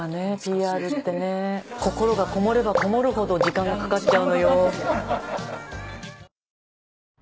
心がこもればこもるほど時間がかかっちゃうのよ。